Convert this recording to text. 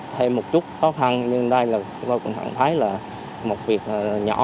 thêm một chút khó khăn nhưng đây là tôi cũng cảm thấy là một việc nhỏ